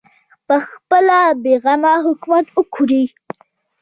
پخپله بې غمه حکومت وکړي